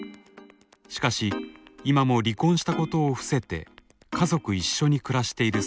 しかし今も離婚したことを伏せて家族一緒に暮らしているそうです。